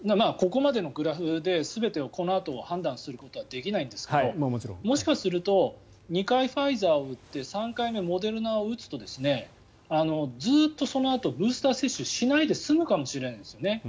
ここまでのグラフで全てを、このあと判断することはできないんですけどもしかすると２回ファイザーを打って３回目モデルナを打つとずっとそのあとブースター接種しないで済むかもしれないですよね。